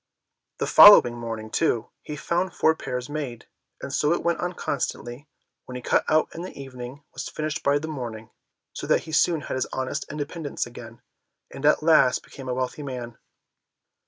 The following morning, too, he found the four pairs made; and so it went on constantly, what he cut out in the evening was finished by the morning, so that he soon had his honest independence again, and at last became a wealthy man.